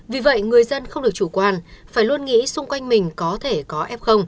vì vậy người dân không được chủ quan phải luôn nghĩ xung quanh mình có thể có f